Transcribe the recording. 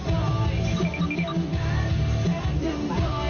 ตรงอย่างแบดแซดอย่างบ่อย